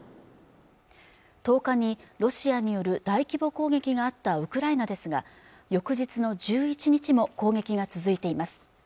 １０日にロシアによる大規模攻撃があったウクライナですが翌日の１１日も攻撃が続いています